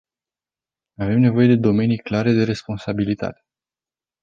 Avem nevoie de domenii clare de responsabilitate.